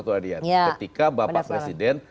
ketika bapak presiden